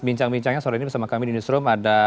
bincang bincangnya sore ini bersama kami di newsroom ada